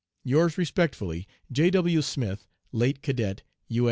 "Yours respectfully, "J. W. SMITH, "Late Cadet U.